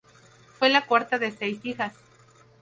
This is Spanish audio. Fue la cuarta de seis hijas.